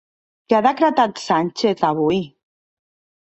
Què ha decretat Sánchez avui?